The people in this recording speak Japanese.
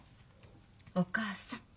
お母さん。